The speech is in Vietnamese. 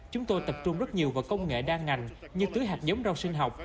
chúng tôi tập trung rất nhiều vào công nghệ đa ngành như tưới hạch giống rau sinh học